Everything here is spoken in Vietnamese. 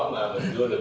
mà mình vừa được được vô